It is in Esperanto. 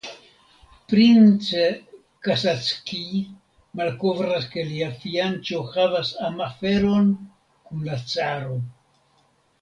Prince Kasatskij malkovras ke lia fianĉo havas amaferon kun la caro.